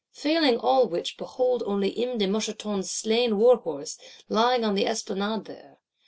Failing all which, behold only M. de Moucheton's slain warhorse, lying on the Esplanade there!